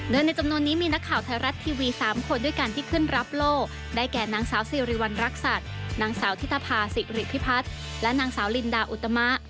โดยในจำนวนนี้มีนักข่าวไทยรัฐทีวี๓คนด้วยกันที่ขึ้นรับโลกได้แก่นางสาวสิริวัณรักษัตริย์นางสาวธิตภาษิริพิพัฒน์และนางสาวลินดาอุตมะ